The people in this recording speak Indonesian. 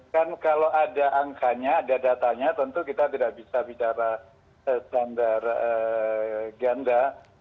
kan kalau ada angkanya ada datanya tentu kita tidak bisa bicara standar ganda